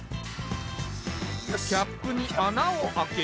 キャップに穴を開ける。